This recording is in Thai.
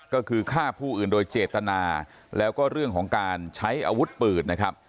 ก็คือฆ่าผู้อื่นโดยเจตนาแล้วก็เรื่องของการใช้อาวุธปืนนะครับ